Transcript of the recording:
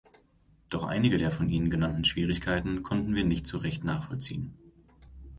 Doch einige der von ihnen genannten Schwierigkeiten konnten wir nicht so recht nachvollziehen.